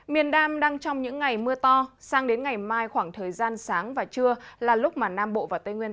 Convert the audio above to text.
miền nam đang trong những ngày mưa to sang đến ngày mai khoảng thời gian sáng và trưa là lúc mà nam bộ và tây nguyên